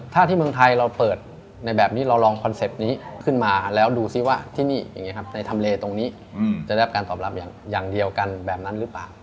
ถ้าที่เมืองไทยเราเปิดในแบบนี้เราลองคอนเซ็ปต์นี้ขึ้นมาแล้วดูซิว่าที่นี่อย่างนี้ครับในทำเลตรงนี้จะได้รับการตอบรับอย่างเดียวกันแบบนั้นหรือเปล่า